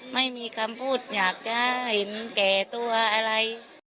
ไม่มีคำพูดอยากจะเห็นแก่ตัวอะไร